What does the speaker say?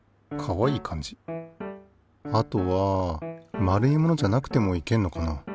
あとは丸いものじゃなくてもいけんのかな？